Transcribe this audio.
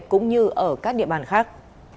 cũng như ở các địa bàn khác